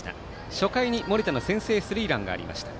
初回に森田の先制スリーランがありました。